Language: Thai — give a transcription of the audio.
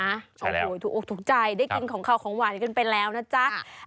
โอ้โหถูกอกถูกใจได้กินของเขาของหวานกันไปแล้วนะจ๊ะ